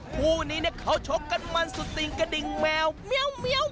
คู่นี้เขาชกกันมันสุดติ่งกระดิ่งแมวแมวแมว